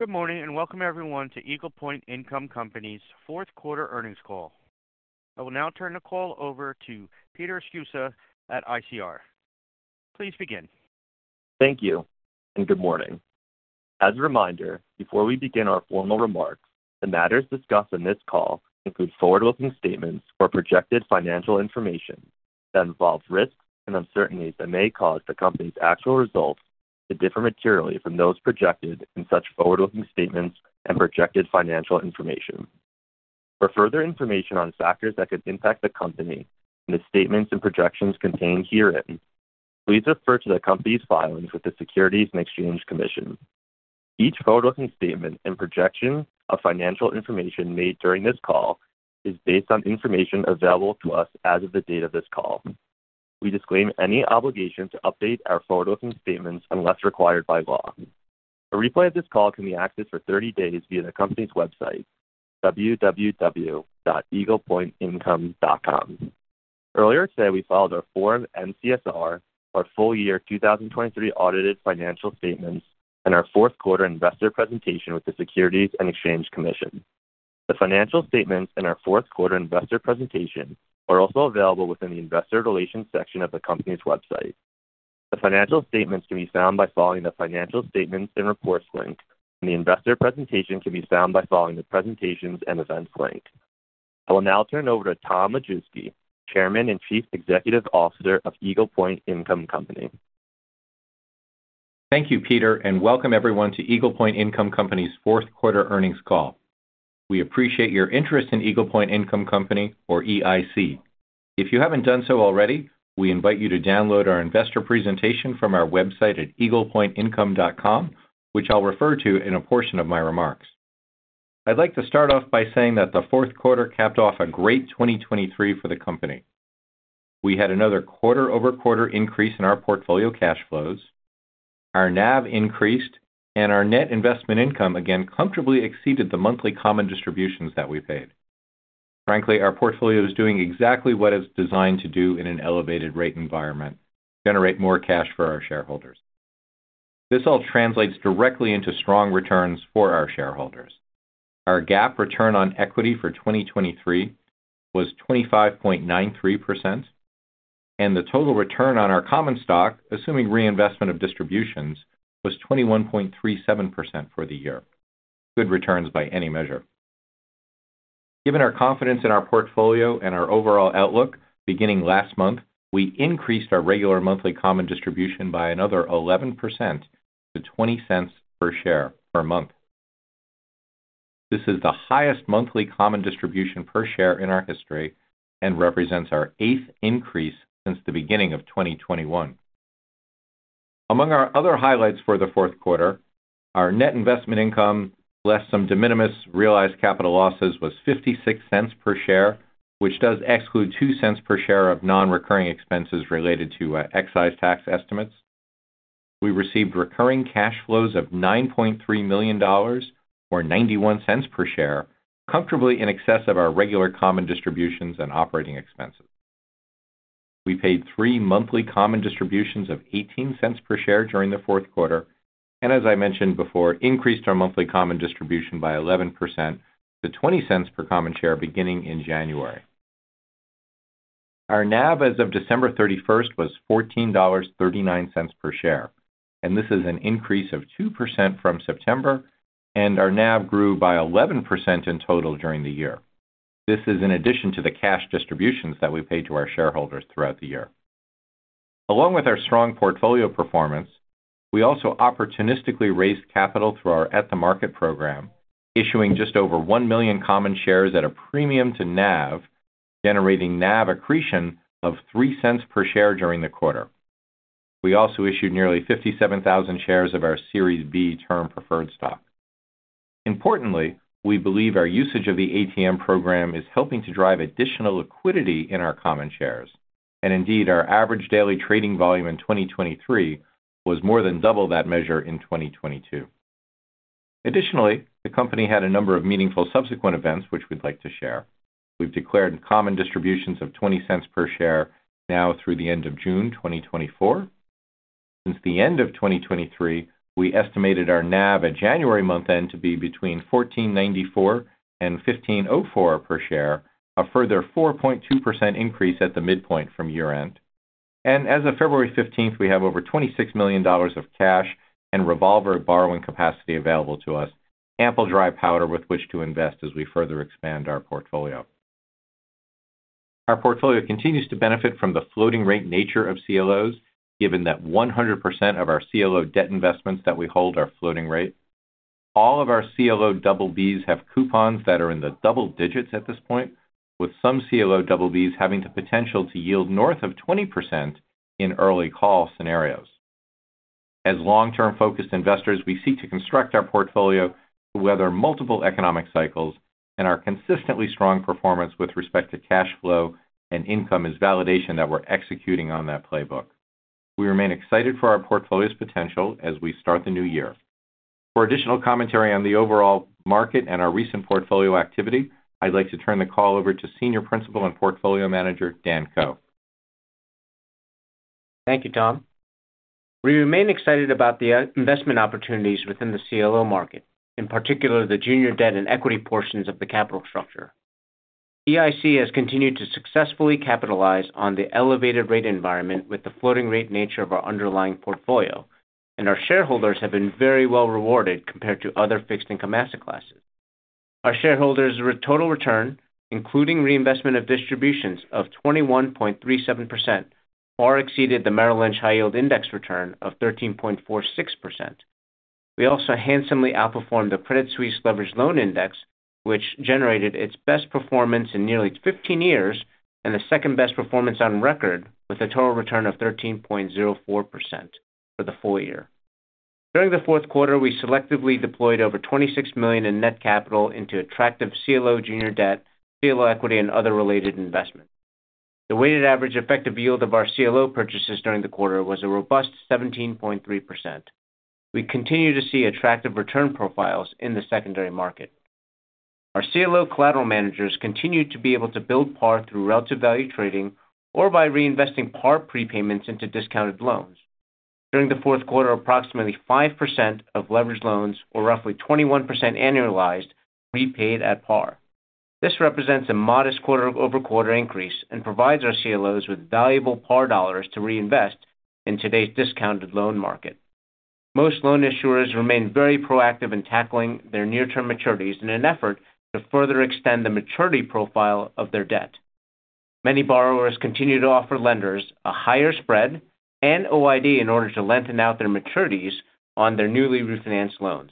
Good morning, and welcome everyone to Eagle Point Income Company's fourth quarter earnings call. I will now turn the call over to Peter Sceusa at ICR. Please begin. Thank you, and good morning. As a reminder, before we begin our formal remarks, the matters discussed in this call include forward-looking statements or projected financial information that involves risks and uncertainties that may cause the company's actual results to differ materially from those projected in such forward-looking statements and projected financial information. For further information on factors that could impact the company and the statements and projections contained herein, please refer to the company's filings with the Securities and Exchange Commission. Each forward-looking statement and projection of financial information made during this call is based on information available to us as of the date of this call. We disclaim any obligation to update our forward-looking statements unless required by law. A replay of this call can be accessed for 30 days via the company's website, www.eaglepointincome.com. Earlier today, we filed our Form N-CSR, our full year 2023 audited financial statements, and our fourth quarter investor presentation with the Securities and Exchange Commission. The financial statements and our fourth quarter investor presentation are also available within the investor relations section of the company's website. The financial statements can be found by following the Financial Statements and Reports link, and the investor presentation can be found by following the Presentations and Events link. I will now turn it over to Tom Majewski, Chairman and Chief Executive Officer of Eagle Point Income Company. Thank you, Peter, and welcome everyone to Eagle Point Income Company's fourth quarter earnings call. We appreciate your interest in Eagle Point Income Company or EIC. If you haven't done so already, we invite you to download our investor presentation from our website at eaglepointincome.com, which I'll refer to in a portion of my remarks. I'd like to start off by saying that the fourth quarter capped off a great 2023 for the company. We had another quarter-over-quarter increase in our portfolio cash flows. Our NAV increased, and our net investment income again comfortably exceeded the monthly common distributions that we paid. Frankly, our portfolio is doing exactly what it's designed to do in an elevated rate environment: generate more cash for our shareholders. This all translates directly into strong returns for our shareholders. Our GAAP return on equity for 2023 was 25.93%, and the total return on our common stock, assuming reinvestment of distributions, was 21.37% for the year. Good returns by any measure. Given our confidence in our portfolio and our overall outlook, beginning last month, we increased our regular monthly common distribution by another 11% to $0.20 per share per month. This is the highest monthly common distribution per share in our history and represents our eighth increase since the beginning of 2021. Among our other highlights for the fourth quarter, our net investment income, less some de minimis realized capital losses, was $0.56 per share, which does exclude $0.02 per share of non-recurring expenses related to excise tax estimates. We received recurring cash flows of $9.3 million, or $0.91 per share, comfortably in excess of our regular common distributions and operating expenses. We paid three monthly common distributions of $0.18 per share during the fourth quarter, and as I mentioned before, increased our monthly common distribution by 11% to $0.20 per common share beginning in January. Our NAV as of December 31 was $14.39 per share, and this is an increase of 2% from September, and our NAV grew by 11% in total during the year. This is in addition to the cash distributions that we paid to our shareholders throughout the year. Along with our strong portfolio performance, we also opportunistically raised capital through our At-the-Market program, issuing just over 1 million common shares at a premium to NAV, generating NAV accretion of $0.03 per share during the quarter. We also issued nearly 57,000 shares of our Series B Term Preferred Stock. Importantly, we believe our usage of the ATM program is helping to drive additional liquidity in our common shares, and indeed, our average daily trading volume in 2023 was more than double that measure in 2022. Additionally, the company had a number of meaningful subsequent events, which we'd like to share. We've declared common distributions of $0.20 per share now through the end of June 2024. Since the end of 2023, we estimated our NAV at January month-end to be between $14.94 and $15.04 per share, a further 4.2% increase at the midpoint from year-end. As of February 15, we have over $26 million of cash and revolver borrowing capacity available to us, ample dry powder with which to invest as we further expand our portfolio. Our portfolio continues to benefit from the floating rate nature of CLOs, given that 100% of our CLO debt investments that we hold are floating rate. All of our CLO BBs have coupons that are in the double digits at this point, with some CLO BBs having the potential to yield north of 20% in early call scenarios. As long-term focused investors, we seek to construct our portfolio to weather multiple economic cycles, and our consistently strong performance with respect to cash flow and income is validation that we're executing on that playbook. We remain excited for our portfolio's potential as we start the new year. For additional commentary on the overall market and our recent portfolio activity, I'd like to turn the call over to Senior Principal and Portfolio Manager, Dan Ko.... Thank you, Tom. We remain excited about the investment opportunities within the CLO market, in particular, the junior debt and equity portions of the capital structure. EIC has continued to successfully capitalize on the elevated rate environment with the floating rate nature of our underlying portfolio, and our shareholders have been very well rewarded compared to other fixed income asset classes. Our shareholders with total return, including reinvestment of distributions of 21.37%, far exceeded the Merrill Lynch High Yield Index return of 13.46%. We also handsomely outperformed the Credit Suisse Leveraged Loan Index, which generated its best performance in nearly 15 years, and the second-best performance on record, with a total return of 13.04% for the full year. During the fourth quarter, we selectively deployed over $26 million in net capital into attractive CLO junior debt, CLO equity, and other related investments. The weighted average effective yield of our CLO purchases during the quarter was a robust 17.3%. We continue to see attractive return profiles in the secondary market. Our CLO collateral managers continue to be able to build par through relative value trading or by reinvesting par prepayments into discounted loans. During the fourth quarter, approximately 5% of leveraged loans, or roughly 21% annualized, repaid at par. This represents a modest quarter-over-quarter increase and provides our CLOs with valuable par dollars to reinvest in today's discounted loan market. Most loan issuers remain very proactive in tackling their near-term maturities in an effort to further extend the maturity profile of their debt. Many borrowers continue to offer lenders a higher spread and OID in order to lengthen out their maturities on their newly refinanced loans.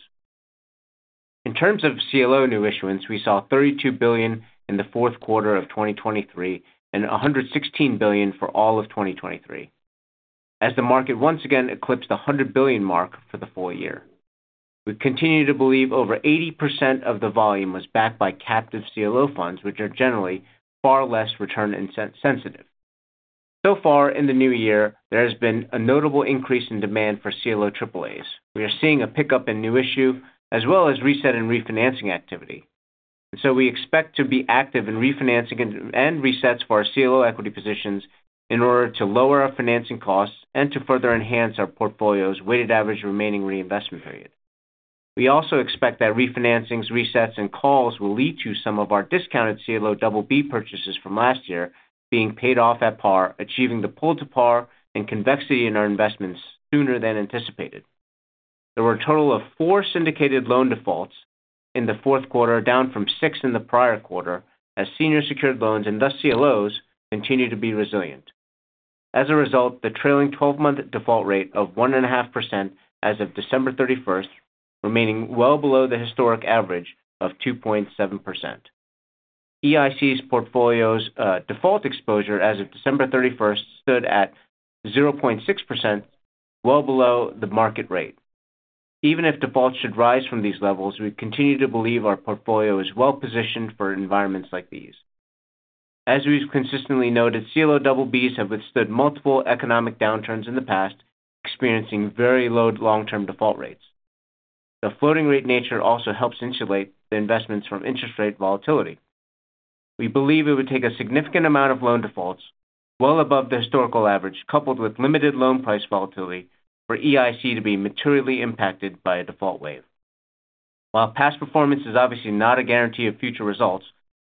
In terms of CLO new issuance, we saw $32 billion in the fourth quarter of 2023, and $116 billion for all of 2023, as the market once again eclipsed the $100 billion mark for the full year. We continue to believe over 80% of the volume was backed by captive CLO funds, which are generally far less return-sensitive. So far in the new year, there has been a notable increase in demand for CLO AAAs. We are seeing a pickup in new issue, as well as reset and refinancing activity. We expect to be active in refinancing and resets for our CLO equity positions in order to lower our financing costs and to further enhance our portfolio's weighted average remaining reinvestment period. We also expect that refinancings, resets, and calls will lead to some of our discounted CLO BB purchases from last year being paid off at par, achieving the pull to par and convexity in our investments sooner than anticipated. There were a total of 4 syndicated loan defaults in the fourth quarter, down from 6 in the prior quarter, as senior secured loans, and thus CLOs, continue to be resilient. As a result, the trailing twelve-month default rate of 1.5% as of December 31, remaining well below the historic average of 2.7%. EIC's portfolio's default exposure as of December 31st stood at 0.6%, well below the market rate. Even if defaults should rise from these levels, we continue to believe our portfolio is well-positioned for environments like these. As we've consistently noted, CLO double Bs have withstood multiple economic downturns in the past, experiencing very low long-term default rates. The floating rate nature also helps insulate the investments from interest rate volatility. We believe it would take a significant amount of loan defaults, well above the historical average, coupled with limited loan price volatility, for EIC to be materially impacted by a default wave. While past performance is obviously not a guarantee of future results,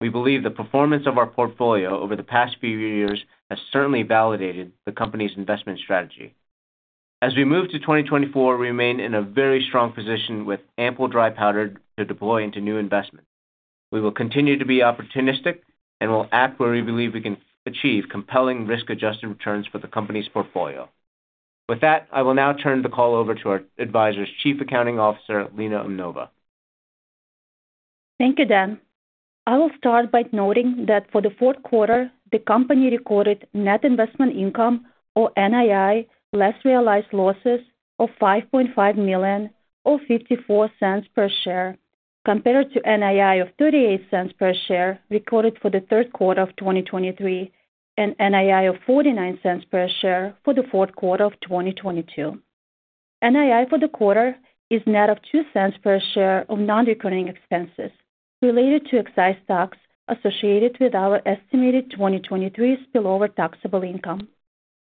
we believe the performance of our portfolio over the past few years has certainly validated the company's investment strategy. As we move to 2024, we remain in a very strong position with ample dry powder to deploy into new investments. We will continue to be opportunistic and will act where we believe we can achieve compelling risk-adjusted returns for the company's portfolio. With that, I will now turn the call over to our advisor, Chief Accounting Officer Lena Umnova. Thank you, Dan. I will start by noting that for the fourth quarter, the company recorded net investment income or NII, less realized losses of $5.5 million or $0.54 per share, compared to NII of $0.38 per share recorded for the third quarter of 2023, and NII of $0.49 per share for the fourth quarter of 2022. NII for the quarter is net of $0.02 per share of non-recurring expenses related to excise tax associated with our estimated 2023 spillover taxable income.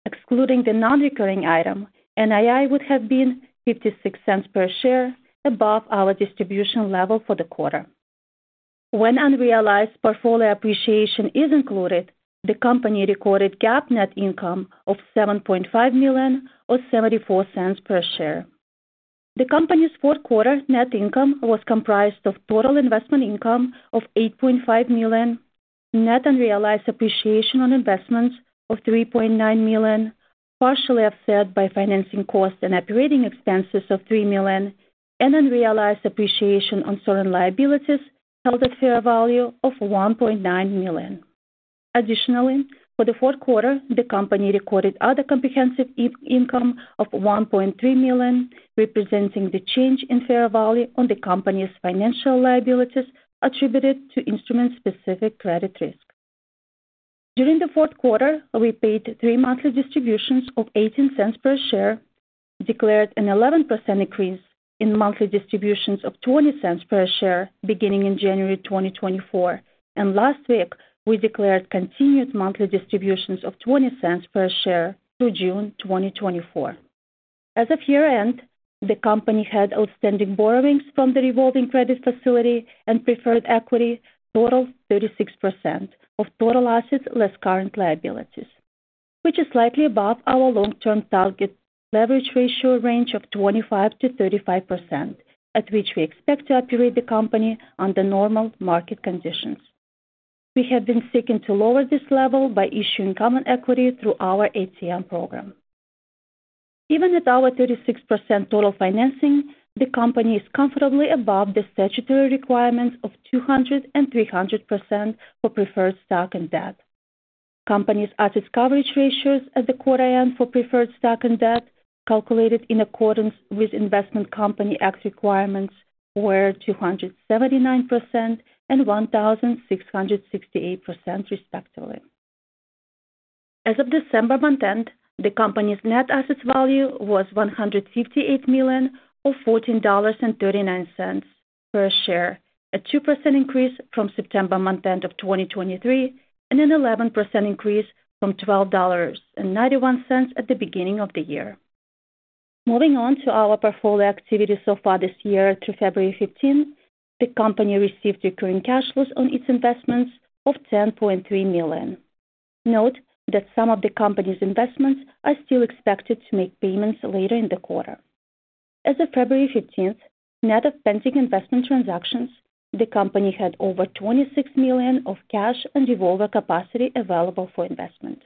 Excluding the non-recurring item, NII would have been $0.56 per share above our distribution level for the quarter. When unrealized portfolio appreciation is included, the company recorded GAAP net income of $7.5 million or $0.74 per share. The company's fourth quarter net income was comprised of total investment income of $8.5 million, net unrealized appreciation on investments of $3.9 million, partially offset by financing costs and operating expenses of $3 million, and unrealized appreciation on certain liabilities held at fair value of $1.9 million. Additionally, for the fourth quarter, the company recorded other comprehensive income of $1.3 million, representing the change in fair value on the company's financial liabilities attributed to instrument-specific credit risk. During the fourth quarter, we paid three monthly distributions of $0.18 per share, declared an 11% increase in monthly distributions of $0.20 per share beginning in January 2024, and last week, we declared continued monthly distributions of $0.20 per share through June 2024. As of year-end, the company had outstanding borrowings from the revolving credit facility and preferred equity, totaling 36% of total assets, less current liabilities, which is slightly above our long-term target leverage ratio range of 25%-35%, at which we expect to operate the company under normal market conditions. We have been seeking to lower this level by issuing common equity through our ATM program. Even at our 36% total financing, the company is comfortably above the statutory requirements of 200% and 300% for preferred stock and debt. Company's asset coverage ratios at the quarter end for preferred stock and debt, calculated in accordance with Investment Company Act requirements, were 279% and 1,668%, respectively. As of December month-end, the company's net asset value was $158 million, or $14.39 per share, a 2% increase from September month-end of 2023, and an 11% increase from $12.91 at the beginning of the year. Moving on to our portfolio activity so far this year, through February fifteenth, the company received recurring cash flows on its investments of $10.3 million. Note that some of the company's investments are still expected to make payments later in the quarter. As of February fifteenth, net of pending investment transactions, the company had over $26 million of cash and revolver capacity available for investment.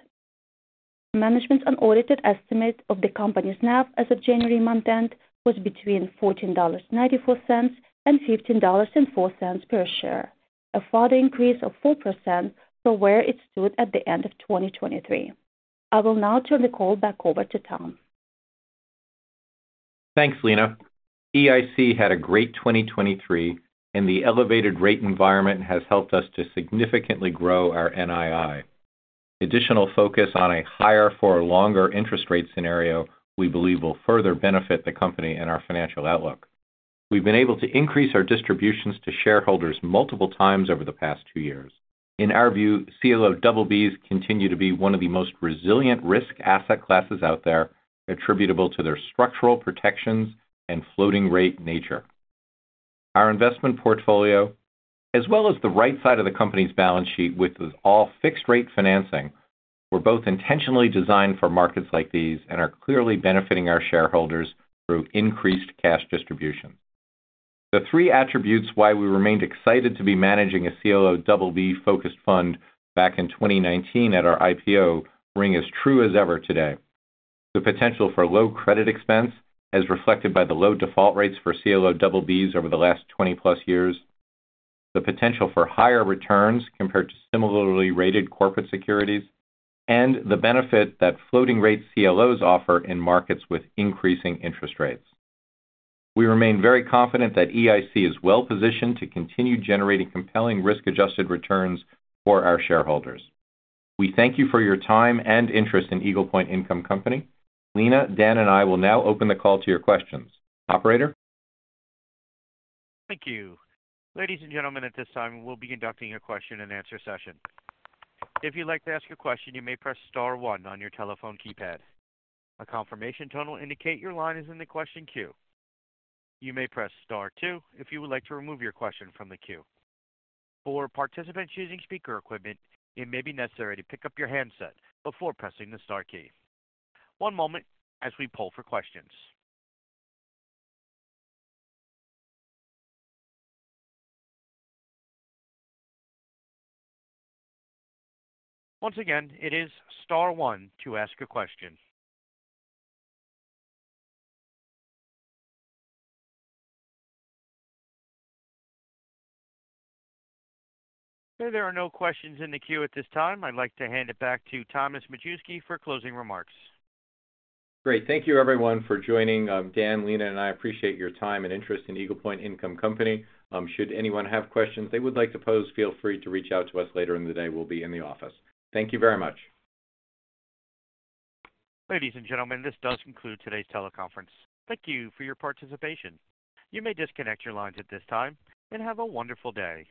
Management's unaudited estimate of the company's NAV as of January month-end was between $14.94 and $15.04 per share, a further increase of 4% from where it stood at the end of 2023. I will now turn the call back over to Tom. Thanks, Lena. EIC had a great 2023, and the elevated rate environment has helped us to significantly grow our NII. Additional focus on a higher for longer interest rate scenario, we believe, will further benefit the company and our financial outlook. We've been able to increase our distributions to shareholders multiple times over the past 2 years. In our view, CLO BBs continue to be one of the most resilient risk asset classes out there, attributable to their structural protections and floating rate nature. Our investment portfolio, as well as the right side of the company's balance sheet, which is all fixed-rate financing, were both intentionally designed for markets like these and are clearly benefiting our shareholders through increased cash distributions. The 3 attributes why we remained excited to be managing a CLO BB focused fund back in 2019 at our IPO ring as true as ever today. The potential for low credit expense, as reflected by the low default rates for CLO BBs over the last 20+ years, the potential for higher returns compared to similarly rated corporate securities, and the benefit that floating-rate CLOs offer in markets with increasing interest rates. We remain very confident that EIC is well-positioned to continue generating compelling risk-adjusted returns for our shareholders. We thank you for your time and interest in Eagle Point Income Company. Lena, Dan, and I will now open the call to your questions. Operator? Thank you. Ladies and gentlemen, at this time, we'll be conducting a question-and-answer session. If you'd like to ask a question, you may press star one on your telephone keypad. A confirmation tone will indicate your line is in the question queue. You may press star two if you would like to remove your question from the queue. For participants using speaker equipment, it may be necessary to pick up your handset before pressing the star key. One moment as we poll for questions. Once again, it is star one to ask a question. There are no questions in the queue at this time. I'd like to hand it back to Thomas Majewski for closing remarks. Great. Thank you, everyone, for joining. Dan, Lena, and I appreciate your time and interest in Eagle Point Income Company. Should anyone have questions they would like to pose, feel free to reach out to us later in the day. We'll be in the office. Thank you very much. Ladies and gentlemen, this does conclude today's teleconference. Thank you for your participation. You may disconnect your lines at this time, and have a wonderful day.